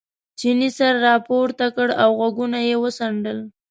چیني سر را پورته کړ او غوږونه یې وڅنډل.